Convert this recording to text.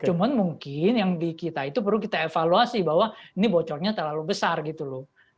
cuma mungkin yang di kita itu perlu kita evaluasi bahwa ini bocornya terlalu besar gitu loh